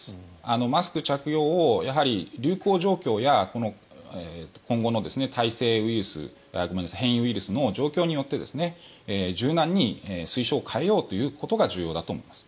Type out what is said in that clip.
マスク着用を流行状況や今後の変異ウイルスの状況によって柔軟に推奨を変えようということが重要だと思います。